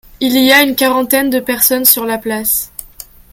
Il y a une quarantaine de personnes sur la place.